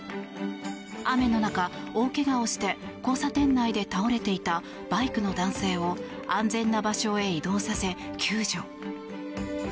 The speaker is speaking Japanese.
雨の中、大怪我をして交差点内で倒れていたバイクの男性を安全な場所へ移動させ、救助。